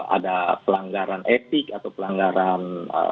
ada pelanggaran etik atau pelanggaran